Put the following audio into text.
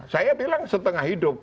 saya bilang setengah hidup